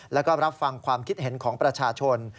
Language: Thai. แล้วก็รับฟังความคิดเห็นของประชาชน